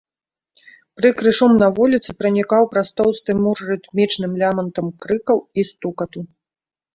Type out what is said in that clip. Прыкры шум на вуліцы пранікаў праз тоўсты мур рытмічным лямантам крыкаў і стукату.